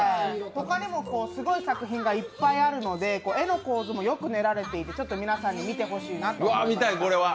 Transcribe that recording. ほかにもすごい作品がいっぱいあるので絵の構図もよく練られているので皆さんに見てほしいなと思って。